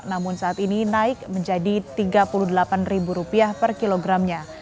namun saat ini naik menjadi rp tiga puluh delapan per kilogramnya